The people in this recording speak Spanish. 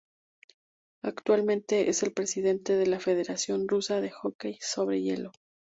Actualmente es el presidente de la Federación Rusa de Hockey sobre Hielo.